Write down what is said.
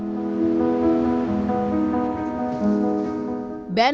ben lebon seorang guru sejarah di perancis berkata